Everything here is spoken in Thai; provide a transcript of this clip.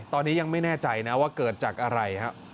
ตอนนี้ยังไม่แน่ใจนะว่าเกิดจากอะไรครับ